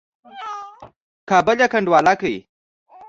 کابل یې کنډواله کړ.